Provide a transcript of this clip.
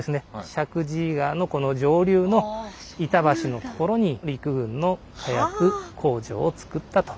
石神井川のこの上流の板橋の所に陸軍の火薬工場をつくったと。